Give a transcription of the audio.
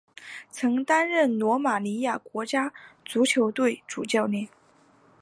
曾担任罗马尼亚国家足球队主教练。